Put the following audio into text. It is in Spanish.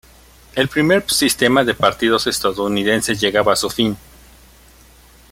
El primer sistema de partidos estadounidense llegaba a su fin.